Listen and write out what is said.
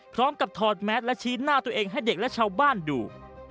ถอดแมสและชี้หน้าตัวเองให้เด็กและชาวบ้านดู